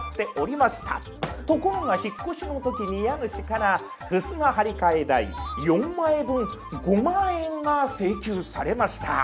ところが引っ越しの時に家主からふすま張り替え代４枚分５万円が請求されました。